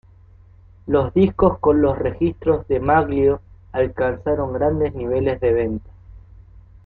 Los discos con los registros de Maglio alcanzaron grandes niveles de venta.